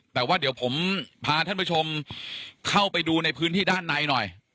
แต่ว่าเดี๋ยวผมพาท่านผู้ชมเข้าไปดูในพื้นที่ด้านในหน่อย